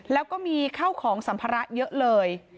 แล้วก็มีข้าวของสัมภาระเยอะเลย